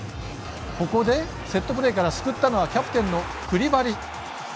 ここで、セットプレーから救ったのはキャプテンのクリバリ。